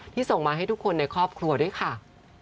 ส่งมาให้ทุกคนในครอบครัวด้วยค่ะ